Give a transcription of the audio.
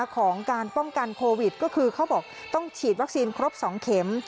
ของการป้องกันโควิดก็คือเขาบอกต้องฉีดวัคซีนครบ๒เข็ม